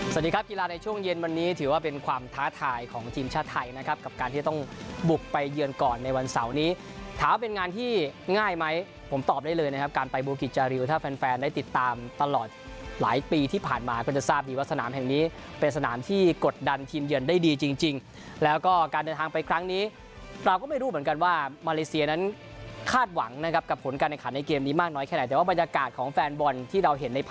สวัสดีครับกีฬาในช่วงเย็นวันนี้ถือว่าเป็นความท้าทายของทีมชาวไทยนะครับกับการที่ต้องบุกไปเยือนก่อนในวันเสาร์นี้ถามว่าเป็นงานที่ง่ายไหมผมตอบได้เลยนะครับการไปบุกิจาริวถ้าแฟนได้ติดตามตลอดหลายปีที่ผ่านมาก็จะทราบดีว่าสนามแห่งนี้เป็นสนามที่กดดันทีมเยือนได้ดีจริงแล้วก็การเดินทางไปคร